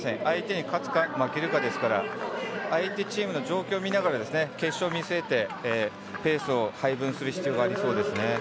相手に勝つか負けるかですから相手チームの状況を見ながら決勝を見据えてペースを配分する必要がありそうですね。